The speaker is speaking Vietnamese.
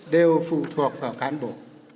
đều phụ thuộc vào cán bộ